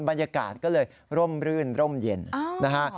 บรรยากาศก็เลยร่มรื่นร่มเย็นนะฮะ